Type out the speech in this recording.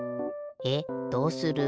えっどうする？